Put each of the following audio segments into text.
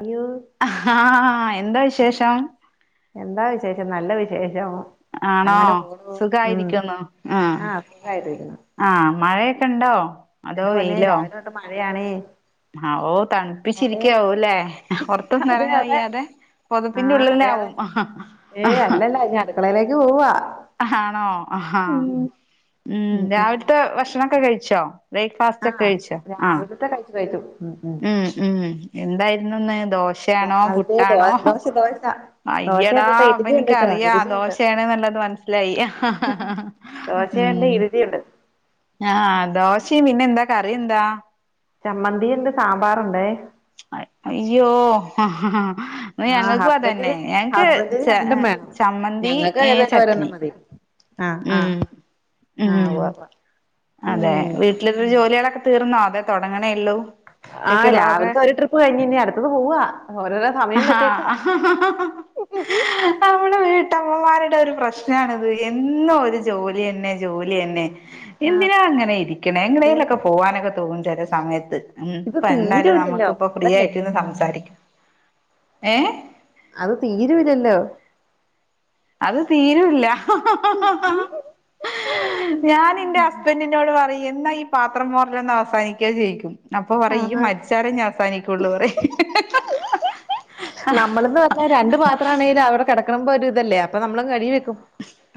അയ്യോ ആഹ ഹാ എന്താ വിശേഷം എന്താ വിശേഷം നല്ല വിശേഷം ആണോ അങ്ങനെ പോണു ഉം സുഖായിരിക്കുന്നു ആഹ് ആ ഹ് മഴയൊക്കെ ഉണ്ടോ എന്റെ പൊന്നേ രാവിലെ തൊട്ട് മഴയാണെ ആഹ് ഓ തണുപ്പിച്ചിരിക്കാവൂല്ലെ പുറത്തൊന്നും അതെ ഇറങ്ങാൻ അതെ വയ്യാതെ പൊതപ്പിന്റെ ആഹ് ഉള്ളിൽ അതെ അതെ ആവും ഹാ ഏയ് അല്ലല്ല ഇനി അടുക്കളയിലേക്ക് പോവാ അഹാ ആണോ ആഹാ ഉം രാവിലത്തെ ഭക്ഷണൊക്കെ കഴിച്ചോ ബ്രേക്ക്ഫാസ്റ്റ് ഒക്കെ ആഹ് കഴിച്ചോ ആ രാവിലത്തെ കഴിച്ചു കഴിച്ചു ഉം ഉം ഉം ഉം എന്തായിരുന്നു ഇന്ന് ദോശയാണോ രാവിലെ ദോ പുട്ടാണോ ദോശ ദോശ അയ്യടാ ദോശയുണ്ട്ട്ടോ അപ്പ ഇഡ്ഡലിയുണ്ട്ട്ടോ എനിക്കറിയാ ഇഡ്ഡലിയുണ്ട് ദോഷയാണെന്നുള്ളത് മനസ്സിലായി ഹ ഹ ഹ ദോശയുണ്ട് ഇഡലിയുണ്ട് ആഹ് ദോശയും പിന്നെന്താ കറി എന്താ ചമ്മന്തിയുമുണ്ട് സാമ്പാറുണ്ടേ അയ്യോ ഹ ഹ ഹാ ആഹ് ഞങ്ങൾക്കും അതന്നെ ഹസ്ബൻഡിന് ഞങ്ങക്ക് ഹസ്ബൻഡിന് ചെ രണ്ടും വേണം ചമ്മന്തി ഞങ്ങൾക്ക് ഏ ഏതായാലും ഒരെണ്ണം ചട്നി മതി ആഹ് ആഹ് ഉം ആഹ് ഉം ഉവ്വ ഉവ്വ അതെ ഉം വീട്ടില് ജോലികളൊക്കെ തീർന്നോ അതെ തുടങ്ങണേയുള്ളൂ ആഹ് രാവിലത്തെ ഒരു ട്രിപ്പ് കഴിഞ്ഞ് ഇനി അടുത്തത് പോവാ ഓരോരോ സമയം വച്ചേക്കുവാ ഹേ നമ്മുടെ വീട്ടമ്മമാരുടെ ഒരു പ്രശ്നമാണിത് എന്നും ഒരു ജോലി തന്നെ ജോലി തന്നെ ആഹ് എന്തിനാ അങ്ങനെ ഇരിക്കണേ അതേന്നെ എങ്ങനേലൊക്കെ പോവാനൊക്കെ തോന്നും ചില സമയത്ത് ഉം ഇത് ഇപ്പ എന്തായാലും തീരൂല്ലല്ലോ നമുക്കിപ്പൊ ഫ്രീ അതല്ലേ ആയിട്ട് ഇരുന്ന് സംസാരിക്കാം ഏ അത് തീരൂലല്ലോ അത് തീരുല്ല ഹ ഹ ഹാ ഞാൻ എന്റെ ഹസ്ബൻഡിനോട് പറയും എന്നാ ഈ പാത്രം മോറലൊന്ന് അവസാനിക്ക ജയിക്കും അപ്പൊ പറയും ഇയ്യ് മരിച്ചാലേ ഇഞ്ഞ് അവസാനിക്കുള്ളൂന്ന് പറയും ആഹ് നമ്മളെന്ന് രണ്ട് പത്രമാണെങ്കിലും അവിടെ കിടക്കണൊമ്പൊ ഒരു ഇതല്ലേ അപ്പൊ നമ്മളങ്ങ് കഴുകി വെക്കും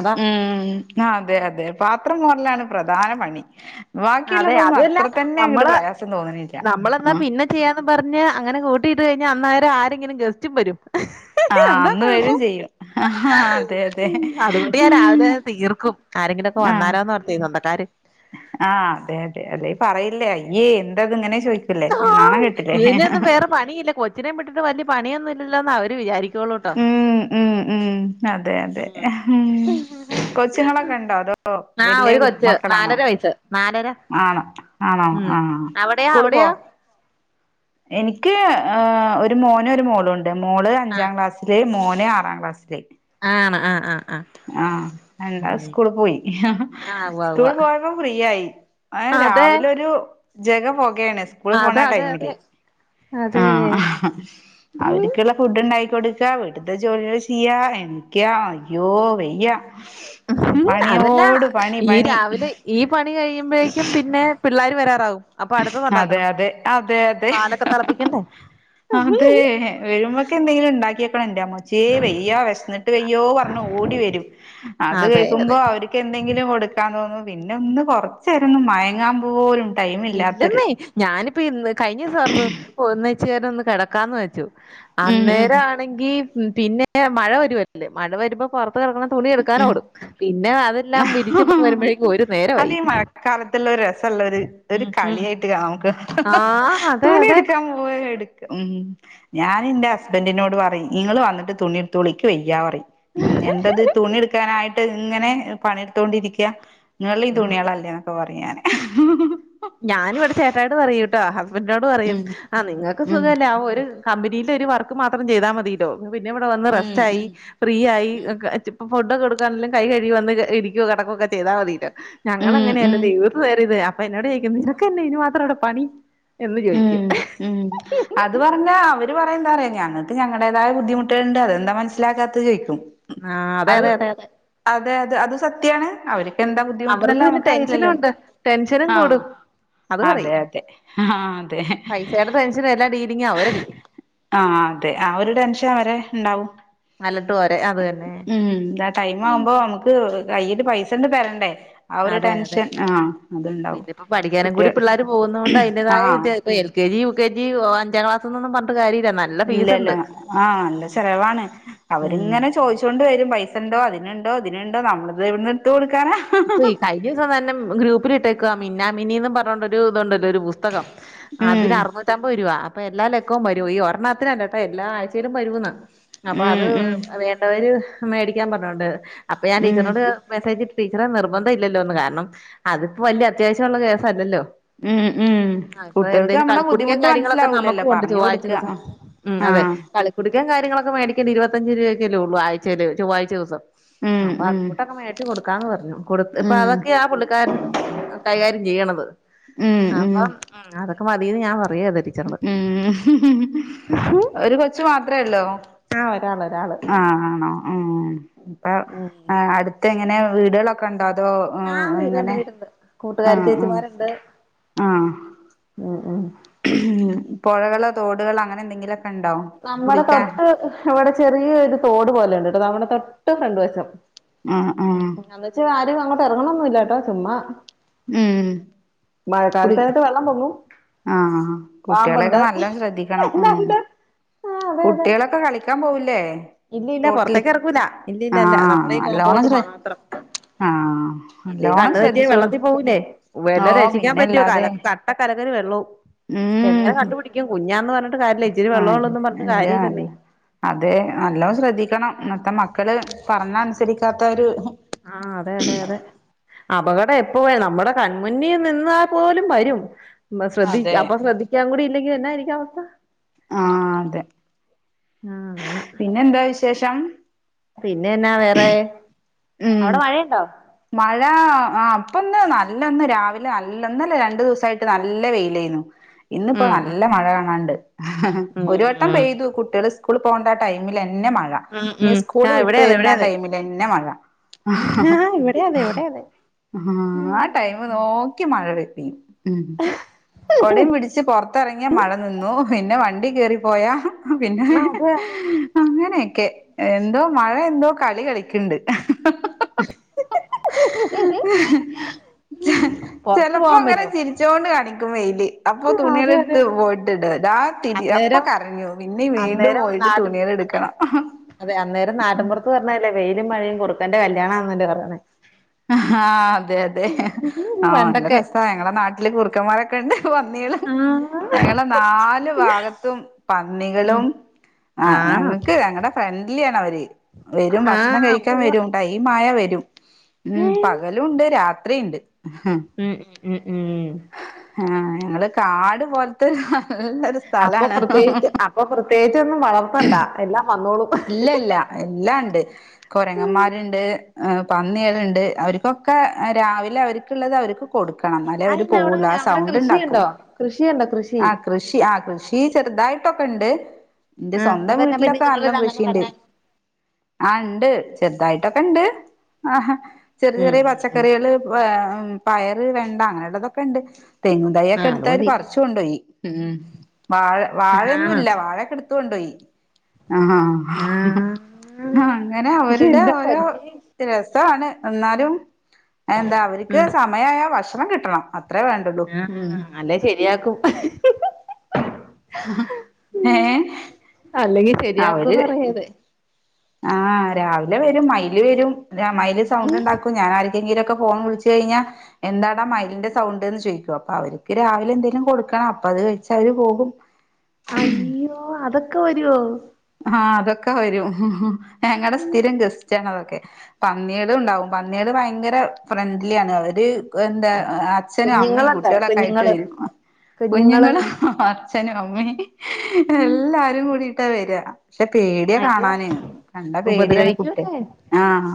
അതാ ഉം അതെ അതെ പാത്രം മോറലാണ് പ്രധാന പണി അതെ ബാക്കിയുള്ളതൊന്നും അതുവല്ല അത്ര തന്നെ അങ്ങട്ട് പ്രയാസം തോന്നുന്നില്ല ബുക്ക് ചെയ്യാന്ന് പറഞ്ഞ് അങ്ങനെ കൂട്ടിട്ട് കഴിഞ്ഞാ അന്നേരം ആരെങ്കിലും ഗസ്റ്റും വരും ആ അതാ അന്ന് വരും കൊഴപ്പം ചെയ്യും ആ അതെ അതെ അതുകൊണ്ട് ഞാൻ ഉം രാവിലെ തീർക്കും ആരെങ്കിലൊക്കെ വന്നാലോന്നോർത്തേ സ്വന്തക്കാര് ആഹ് അതെ അതെ അതെ പറയില്ലേ അയ്യേ എന്താ അത് ഇങ്ങനെന്ന് ചോയിക്കും ആഹ് ഇതിനെന്നും വേറെ പണിയില്ലെ കൊച്ചിനേ വിട്ടിട്ട് വലിയ പണിയൊന്നും ഇല്ലല്ലോന്നേ അവര് വിചാരിക്കുള്ളൂ ഉം ഉം ഉം അതെ അതെ ഉം കൊച്ചുങ്ങളൊക്കെ ഉണ്ടോ അതോ ആഹ് വല്യ ഒരു കു കൊച്ച് മക്കളാണോ നാലര വയസ്സ് നാലര ആഹ് ആണോ ഉം ആ അവിടെയോ സ്കൂള് പോവോ അവിടെയോ എനിക്ക് ഒരു മോനും ഒരു മോളുണ്ട് മോള് ആഹ് അഞ്ചാം ക്ലാസ് മോന് ആറാം ക്ലാസ്സില് ആണോ ആഹ് ആഹ് ആഹ് ആഹ് ഹംദാൻ സ്കൂൾ പോയി ആഹ് ഉവ്വ ഉവ്വ സ്കൂള് പോയപ്പോ ഫ്രീ ആയി ഏഹ് അതെ രാവിലൊരു ജഗ പൊകേണ് സ്കൂള് അതെ പോണ അതെ അതെ ടൈമില് ആ അതെ അവര്ക്കുള്ള ഫുഡ് ഉണ്ടാക്കി കൊടുക്കാ വീട്ടത്തെ ജോലികൾ ചെയ്യാ എണീക്ക അയ്യോ വയ്യ ഉം അതല്ല പണിയോട് പണി ഈ പണി രാവിലെ ഈ പണി കഴിയുമ്പഴേക്കും പിന്നെ പിള്ളേര് വരാറാവും അപ്പൊ അതെ അടുത്തതുണ്ടാക്കണം അതെ അതെ അതെ പാലൊക്കെ തിളപ്പിക്കണ്ടേ അതെ വരുമ്പക്ക് എന്തെങ്കിലും ഉണ്ടാക്കി വെക്കണം ഇന്റെ അമ്മ ച്ചേ വയ്യാ വിശന്നിട്ട് വയ്യോ പറഞ്ഞു ഓടി വരും അത് അതെ കേൾക്കുമ്പോ അതെ അവര് കെന്തെങ്കിലും കൊടുക്കാൻ തോന്നു പിന്നെ ഒന്ന് കൊറചേരന്നു മയങ്ങാപോലും ഇല്ലെന്നേ ഞാനിപ്പ ഇന്ന് കഴിഞ്ഞ ദിവസോർത്തു ഒന്നച്ചീരൊന്ന് കിടക്കാന്ന് വെച്ചു ഉം ഉം അന്നേരം ആണെങ്കി പിന്നെ മഴ വരോല്ലേ മഴ വരുമ്പോ പൊറത്ത് കിടക്കണ തുണി ഉം എടുക്കാനോടും പിന്നെ അതെല്ലാം വിരിച് വരുമ്പോഴേക്കും ഒരു നേരമായി ഇതെല്ലാം ഒര് രസല്ലരു ഒര് ഉം ഉം കളിയായിട്ട് കാ നമുക്ക് ആഹ് അതെ തുണി അതെ എടുക്കാൻ പോവേ എട് ഉം ഞാന്ന്റെ ഹസ്ബന്റിനോട് പറയും ഇങ്ങള് വന്നിട്ട് തുണിട്ത്തോളി ഇക്ക് വയ്യാറയും ഉം എന്തത് ആയിട്ട് ഇങ്ങനെ പണിയെടുത്തൊണ്ടിരിക്ക ഇങ്ങളെ ആ തുണ്യേളല്ലേ ഓ അറിയാന് ഞാനിവിടെ ചേട്ടായിനോട് പറയു ട്ടോ ഹസ്ബൻറിനോട് പറയും ഉം ആ നിങ്ങക്ക് ഉം സുഖല്ലേ ആ ഒരു കമ്പനിലെ ഒരു വർക്ക് മാത്രം ചെയ്താൽ മതില്ലോ പിന്നെ ഇവിടെ വന്ന് ഉം റെസ്റ്റ് ആയി ഉം ഫ്രീ ആയി ഉം ക്കെ ഫുഡൊക്കെ കൊടുക്കാനെല്ലാ കൈ കഴുകി വന്ന് ഇരിക്കോ കടക്കുകൊക്കെ ചെയ്താൽ മതില്ലോ ഉം ഞങ്ങളങ്ങനെയല്ല ഉം ദൈവം വെറുതേ അപ്പൊ എന്നോട് ചോയിക്കും നിനക്ക് എന്നാ ഇനിമാത്രം ഇവിടേ പണി എന്ന് ചോയിക്കും ഉം ഉം അത് പറഞ്ഞ അവര് പറയഎന്താറിയോ ഞങ്ങൾക്ക് ഞങ്ങളടേതായ ബുദ്ധിമുട്ടുകളുണ്ട് അതെന്താ മനസ്സിലാക്കാത് ചോയിക്കും ആഹ് അതെ അതെ അതെ അതെ അതെ അതെ അത് സത്യാണ് അവര് അവർക്ക് പിന്നെ ടെൻഷനുംണ്ട് ടെൻഷനും ആഹ് കൂടും അത് അതെ പറയും അതെ ആഹ് അതെ പൈസയുടെ ടെൻഷന് എല്ലാ ഡീലിങ്ങും അവരല്ലേ ആഹ് അതെ ആ ഒരുടെൻഷൻ അവരെണ്ടാവും അലട്ടും അവരെ അത് തന്നെ ഉം ഇതാ ടൈം ആവുമ്പോ നമുക്ക് ക്ക് കയ്യില് പൈസണ്ട് തരണ്ടേ ആ ഒരു അതെ അതെ ടെൻഷൻ ആഹ് അതുണ്ടാവും പിന്നെപ്പോ പഠിക്കാനും കൂടി കുട്ടികൾ പിള്ളേര് പോകുന്നോണ്ട് അയിന്റെതായ ആഹ് വിത്യ ഇപ്പ L K G U K G അഞ്ചാക്ലാസ്സ്‌ന്നൊന്നും പറഞ്ഞിട്ട് കാര്യല്ലാ നല്ല ഇല്ല ഇല്ല ഫീസുണ്ട് ആ നല്ല ചെലവാണ് ഉം അവരിങ്ങനെ ചോ ചോയിച്ചോണ്ട് വെരും പൈസണ്ടോ അതിന്ണ്ടോ ഇതിന്ണ്ടോ നമ്മളിത് എവ്ട്ന്ന് ഇട്ത്ത് കൊട്ക്കാനാ ഇപ്പെെ കയിഞൂസംതന്നെ ഗ്രൂപ്പില് വിട്ട്ക്കാ മിന്നാമിന്നീന്നും പർണോണ്ടാെരു ഇതു ഉണ്ടല്ലോ ഒരു ബുസ് തകം ഉം അതിന് അറനൂറ്റി പത്തൊമ്പത് രുവ അപ്പൊ എല്ലാ ലക്കവും വരും ഈ ഒറണ്ണത്തിന് അല്ലട്ടൊ എല്ലാ ആഴ്ചയിലും വരൂന്ന് അപ്പൊ ഉം അത് ഉം വേണ്ടവര് മേടിക്കാൻ പർഞ്ഞോണ്ട് അപ്പൊ ഞാൻ ഉം ടീച്ചർനോട് മെസ്സേജ് വിട്ട് ടീച്ചറെ നിർബന്ധം ഇല്ലല്ലോന്ന് കാരണം അതിപ്പാെ വല്യ അത്യാവശ്യമുള്ള കേസല്ലല്ലോ ഉം ഉം ആഹ് ഇപ്പൊ കുട്ടികൾക്ക് എന്തേലും നമ്മടെ കളിക്കുട്ക്കയും ബുദ്ധിമുട്ട് കാര്യങ്ങളൊക്കെ മനസ്സിലാവൂലല്ലോ നമക്കും ഉണ്ട് പറഞ്ഞു ചൊവ്വായ്ച കൊടുക്കുക ദിവസം ഉം അതെ ആഹ് കളികുട്ക്കയും കാര്യങ്ങളൊക്കെ മേടിക്കാൻ ഇരുവത്തഞ്ചു രൂവഎക്കെ എല്ലെ ഉള്ളൂ ആയ്ചേല് ചൊവ്വായ്ച്ച ഊസം ആഹ് ഉം അപ്പത് ഉം കൂട്ടൊക്കെ മേടിച്ച്കൊട് ക്ക്ന്ന് പറഞ്ഞു കൊട്ത്ത് ഉം ഇപ്പവക്ക് ആ പുള്ളിക്കാരൻ കൈകാര്യം ചെയ്യ്ണത് അപ്പാെ ഉം അതൊക്കെ മതീന്ന് ഞാം പറയും അവരെട്ത്ത് ഉം ഉം ഹ്ഹ്ഹ് ഒര്കൊച്ച് മാത്രേ ഒള്ളോ ആഹ് ഒരാള് ഒരാള് ആഹ് ആണോ ഉം ഇപ്പൊ ഉം അട്ത്ത് എങ്ങനെ വീട്കളൊ ക്കണ്ടോ അതോ ആഹ് വീടുണ്ട് എങ്ങനെ വീടുണ്ട് കൂട്ടുകാരി ആഹ് ആഹ് ആഹ് ഏഹ് ഏഹ് പൊഴകളോ തോട്കളോ അങ്ങനെ എന്തെങ്കിലൊക്കെ നമ്മടെ തൊട്ട് ഇവടെ ചെറിയൊരു തോട് പോലെ ഇണ്ട്ട്ടോ നമ്മടെ തൊട്ട് ഫ്രണ്ട് വശം ആഹ് ആഹ് അന്ന് വെച്ച് ആരും അങ്ങോട്ട് എറങ്ങ്ണൊന്നും ഇല്ലാട്ടോ ചുമ്മാ ഉം കുളി മഴക്കാലത്തായിട്ട് വെ ള്ളം പൊങ്ങും ആഹ് കുട്ട്യേളെയെക്കെ പാമ്പുണ്ട് നല്ലം ശ്രദ്ധിക്കണം അയന്നെ എല്ലാണ്ട് ആ കുട്ടികളൊക്കെ കളി ക്കാംപോവൂലേ ഇല്യ ഇല്ല പൊറത്തേക്ക് എറക്കൂല ഇല്യ ഇല്ലല്ല ആഹ് നമ്മളെ ഈ നല്ലോണം കോമ്പൗണ്ട് ശ്ര മാത്രം ആഹ് ഇതേ നല്ലോണം കണ്ണ് തെറ്റിയാ ശ്രദ്ധിച്ചോളൂ വെള്ളത്തി പോവൂലേ ഓ വെല്ലോം രക്ഷിക്കാംപറ്റുവോ പിന്നല്ലാതെ കാലക്കാ ആഹ് തലകറി വെള്ളും ഉം എങ്ങനെ കണ്ടുപിടിക്കും കുഞ്ഞാന്ന് പർണ് ട്ട് കാര്യല്ല ഇച്ചിരി വെള്ളം അതെ ഒള്ളാെന്ന് പർണ് ട്ട് ഇല്ല അല്ല കാര്യവില്ലെന്നെ അതെ നല്ലോം ശ്രദ്ധിക്കണം ഇന്നത്തെ മക്കള് പർണാ അൻസെരിക്കാത്ത ഒര് ആഹ് അതെ അതെ അതെ അപകടം എപ്പോവേ നമ്മടെ കൺമുന്നിൽ നിന്നാപോലും വരും ഇമ്പ ശ്രദ്ധിച്ച് അതെ അപ്പൊ ശ്രദ്ധിക്കാൻ കൂടി ഇല്ലെങ്കില് എന്നായിരിക്കും അവസ്ഥ ആഹ് ആഹ് അങ്ങനെ ഇന്നെന്താ വിശേഷം പിന്നെന്നാ വേറെ അവടെ മഴയ്ണ്ടോ മഴാ ആഹ് ഇപ്പൊന്ന് നല്ലൊന്ന് രാവിലെ നല്ലൊന്ന് ഇന്നെലെ രണ്ടു ദിവസായിട്ട് നല്ല വെെലേന്നു ഇന്ന് ഇപ്പോ ഉം നല്ല മഴ കാണാണ്ട് ഇഹ് ഹ് ഉം ഒരു വട്ടം ഉം പെെതു കു ട്ടിയേള് സ്കൂള് പോവണ്ടെ ആ ടൈമിലെന്നെ മഴ ഉം ഇന് ഉം സ്കൂള് ആ ഇവിടെ വിട്ട് അതെ ഇവിടെ വെരുന്ന അതെ ആടൈമിലെന്നെ മഴ ഇഹ് ആ ഹ് ഇവിടെ അതെ ഹ് ഇവിടെ അതെ ആഹ് ആ ടൈമ് നോക്കി മഴ പൈ പെയ്യും ഉം ഉം കൊടിം പിടിച്ച് പാെർത്തെറങ്ങിയാ മഴ നിന്നു പിന്നെ വണ്ടി കേറിപ്പോയാ ആഹ് പിന്നെ ആ അതെ അതെ അങ്ങനെയെക്കെ എന്തോ മഴ എന്തോ കളി കളിക്ക്ണ്ട് എഹ്ഹ ഹ ഹ ഹ് ഇഹ് ചെൽ പുറത്തു ചെലപ്പോ പോകാൻ ഇങ്ങനെ പറ്റുവോ ചിരി ച്ചോണ്ട് കാണിക്കും വെെല് അപ്പൊ ആ അതെ അതെ തുണിയേള്ട്ത്ത് അതെ പോയിറ്റ് ഇടാ ദാ തിരി എപ്പൊ അന്നേരം കരഞ്ഞു പിന്നിംവീണ്ടും അന്നേരം പോയിട്ട് നാട്ടിൻ തുണിയേള് ഇട്ക്കണം അഹ അതെ അന്നേരം നാട്ടിൻപുറത്ത് പറഞ്ഞാലെ വെയിലും മഴയും കുറുക്കന്റെ കല്യാണാന്നല്ലേ പറയണേ ഹാ അതെ അതെ ആഹ് നല്ല പണ്ടൊക്കെ രെസ ഞങ്ങള നാട്ടില് കുറുക്കന്മാര് കെണ്ട് പന്നീള് ആ ഞങ്ങളെ നാല് ഭാഗത്തും ഉം പന്നികളും ആ ആണോ ഞങ്ങക്ക് ഞങ്ങടെ ഫ്രണ്ട്ലി ആണ് അവര് വെരും ആ ഭക്ഷണം കഴിക്കാൻ ഉവ്വ വെരും ടൈംമായവെരും ഉം പകലുണ്ട് രാത്രിയുണ്ട് ഉം ഉം ഉം ഉം ആഹ് ഞങ്ങള് കാട് പോൽത്തെ നല്ലൊരു അപ്പൊ സ്ഥലാണ് പ്രത്യേകിച്ച് അപ്പൊ പ്രത്യേച്ചൊന്നും വളർത്തണ്ട എല്ലാം വന്നോളും ഇല്ല ഇല്ല എല്ലാണ്ട് കൊരങ്ങന്മാരുണ്ട് പന്നികളുണ്ട് അവർക്കൊക്കെ രാവിലെ അവർക്കുള്ളത് അവർ കൊടുക്കണം എന്നാലേ അവര് അയെന്നാ അവിടെ പോവുള്ളൂ ആ അവിടെ സൗണ്ടിണ്ടാക്കും കൃഷിയുണ്ടോ കൃഷിയുണ്ടോ കൃഷി അ കൃഷി ആ കൃഷി ചെറുതായിട്ടൊക്കെണ്ട് എന്റെ ആഹ് സ്വന്തം അതന്നാ പിന്നെ വീട്ടിലൊക്കെ നല്ല നിങ്ങളത് കൃഷി അങ്ങനെ പറഞ്ഞെ ആ ഇണ്ട് ചെറുതായിട്ടൊക്കെണ്ട് ആ ചെറിയ ഉം ചെറിയ ഉം ഉം പച്ചക്കറികള് പയറ് വെണ്ട അങ്ങനെതൊക്കെണ്ട് തെങ്ങും തൈ ഒക്കെ ആഹ് അത് എടുത്തവര് മതി പറിച്ച് കൊണ്ടോയി ഉം വാഴ ആണോ വാഴയൊന്നുല്ല വാഴൊക്കെടുത്ത് ത്തൊണ്ടോയി ആഹ് ആഹ് ആ അങ്ങനെ അവരുടെ എന്താ ഓരോ പൊന്നേ രസാണ് എന്നാലും എന്താ അവർക്ക് ഉം സമയമായ ഭക്ഷണം കിട്ടണം അത്രേ വേണ്ട ആഹ് അല്ലെ ശരിയാക്കും ഏ ഉം അല്ലെങ്കി ശരിയാക്കൂന്ന് പറയാതെ ആഹ് രാവിലെ വെരും മയില് വെരും മയില് സൗണ്ടിണ്ടാക്കും ഞാൻ ആർക്കെങ്കിലൊക്കെ ഫോൺ വിളിച്ചു കഴിഞ്ഞാൽ എന്താടാ മയിലിന്റെ സൗണ്ട് എന്ന് ചോദിക്കും അപ്പൊ അവർക്ക് രാവിലെ എന്തെേലും കൊടുക്കണം അപ്പത് കഴിച്ച് അവര് പോകും അയ്യോ അതൊക്കെ വെരുവോ ഹാ അതൊക്കെ വെരും ഞങ്ങടെ സ്ഥിരം ഗസ്റ്റാണതൊക്കെ പന്നികളുണ്ടാവും പന്നികള് ഭയങ്കര ഫ്രണ്ട്ലിയാണ് അവര് എന്താ അച്ഛനും അമ്മയും കുഞ്ഞുങ്ങളല്ലേ കുട്ടികളൊക്കായിട്ട് കുഞ്ഞുങ്ങള് വെരും കുഞ്ഞുങ്ങള് അച്ഛനും അമ്മേം എല്ലാരും കൂടിട്ടാ വെരാ പക്ഷെ പേടിയ അയ്യോ കാണാന് കണ്ട പേടിയാണ് കുട്ടിയക്ക് ഉപദ്രവിക്കൂല്ലേ ആഹ്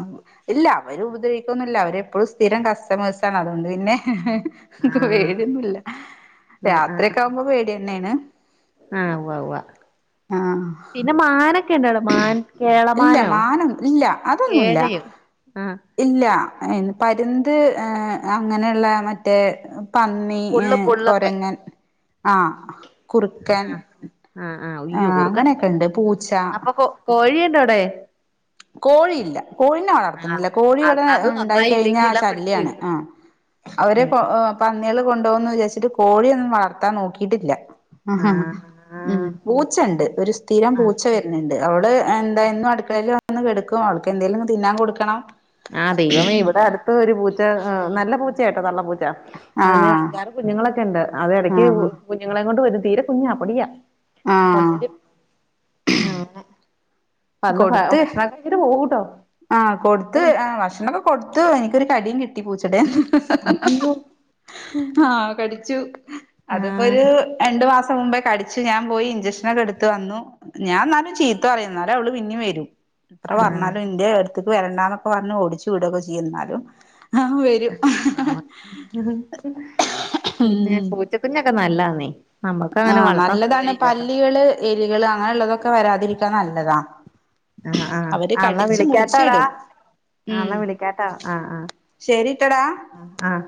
ഇല്ല അവര ഉപദ്രവിക്കൊന്നുല്ല അവരെപ്പോഴും സ്ഥിരം കസ്റ്റമേഴ്സാണ് അതുകൊണ്ട് പിന്നെ ക്ക് ആഹ് പേടിയൊന്നുല്ല ആഹ് ആഹ് ആഹ് രാത്രിയക്കാവുംമ്പോ പേടിയന്നെയാണ് ആഹ് ഉവ്വ ഉവ്വ പിന്നെ മാന ക്കെണ്ടട മാൻ ഇല്ല കേളമാനോ മാനം ഇല്ല അതൊന്നുല്ല കേഴയൊ ആ ഇല്ല പരുന്ത് അങ്ങനെയുള്ള മറ്റേ പന്നി ഏ പുള്ള് പുള്ളൊക്കെ കൊരങ്ങൻ ആഹ് കുറുക്കൻ ആഹ് ആഹ് ആഹ് ആ ഉയ്യോ അങ്ങനെയൊക്കെണ്ട് പൂച്ച കോഴി ഉണ്ടോടെ കോഴിയില്ല കോഴീനെ ആഹ് വളർത്തണില്ല കോഴി അത് ഇവിടെ അത് ഉണ്ടായി നന്നായി ഇല്ലെങ്കി കഴിഞ്ഞാ എല്ലാം പിടിച്ചു ശല്യാണ് തിന്നും ആ അവരെ ഉം പന്നികള് കൊണ്ടുപോന്ന് വിചാരിച്ചിട്ട് കോഴിയൊന്നും വളർത്താൻ നോക്കീട്ടില്ല ഹ ഹ ഹ് ആഹ് ഉം ആഹ് പൂച്ചെണ്ട് ഒരു സ്ഥിരം ആഹ് പൂച്ച വെരുന്നുണ്ട് അവള് എന്ത എന്നും അടുക്കളയില് വന്ന് കെടക്കും അവൾക്ക് എന്തേലും തിന്നാൻ കൊടുക്കണം ആഹ് ദൈവമേ ഇവിടെ അടുത്ത ഒരു പൂച്ച നല്ല പൂച്ചയാട്ടോ തള്ള പൂച്ച അതിന് ആഹ് അഞ്ചാറു കുഞ്ഞുങ്ങളൊക്കെണ്ട് അത് എടയ്ക്ക് ആഹ് കുഞ്ഞുങ്ങളെ കൊണ്ട് വെരും തീരെ കുഞ്ഞാ പൊടിയാ ആഹ് കൊണ്ടെരും ആ അങ്ങനെ അന്ന് ഭക്ഷണോക്കെ ഇങ്ങട്ട് പോവൂട്ടോ. ആ കൊടുത്ത് ആ ഭക്ഷണ ഒക്കെ കൊടുത്തു, എനിക്കൊരു കടിയും കിട്ടി പൂച്ചടെന്ന്. ഹ് ഹ് ഹ് ഹ് ഹ് അയ്യോ ആ കടിച്ചു അത് ഇപ്പൊരൂ ആഹ് രണ്ടു മാസം മുമ്പേ കടിച്ചു ഞാൻ പോയി ഇഞ്ചക്ഷനൊക്കെ എടുത്ത് വന്നു. ഞാൻ ഇന്നാലും ചീത്ത പറയും. ഇന്നാലു അവള് പിന്നേ വെരും. എത്ര പറഞ്ഞാലും ഇന്റെ അട്ത്ത്ക്ക് വെരണ്ടന്നൊക്കെ പറഞ്ഞ് ഓടിച്ചു വിട് ഒക്കെ ചെയ്യും ഇന്നാലു ആ വെരും ഹ ഹ ഹ ആഹ് പിന്നെ ഉം പൂച്ചക്കുഞ്ഞൊക്കെ നല്ലാന്നെ ആ നല്ലതാണ് പല്ലികള് എലികള് അങ്ങനെ ഇള്ളതൊക്കെ വരാതിരിക്കാൻ നല്ലതാ. ആഹ്, ആഹ്, അവര് ആഹ് ഇന്നാ കടിച്ച് വിളിക്കാട്ടാടാ. മുറിച്ചിടും ആ ഇന്നാ വിളിക്കാട്ട ആഹ്, ശരിട്ടടാ ആഹ്, ആഹ്